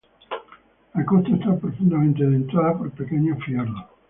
La costa esta profundamente dentada por pequeños fiordos.